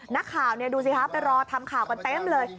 นักข่าวเนี่ยดูสิครับไปรอทำข่าวกันเต็มเลย